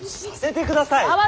させてください。